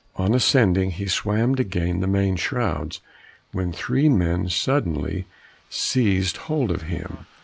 On ascending he swam to gain the main shrouds, when three men suddenly seized hold of him.